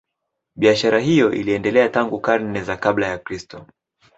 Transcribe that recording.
Biashara hiyo iliendelea tangu karne za kabla ya Kristo.